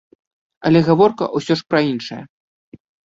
Але гаворка ўсё ж пра іншае.